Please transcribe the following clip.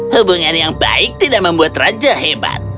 hubungan yang baik tidak membuat raja hebat